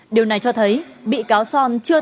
điều này cho thấy bị cáo son chưa thành công